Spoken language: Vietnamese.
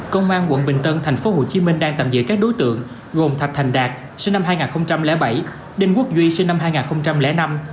công an tp hcm đang tạm dự các đối tượng gồm thạch thành đạt sinh năm hai nghìn bảy đinh quốc duy sinh năm hai nghìn năm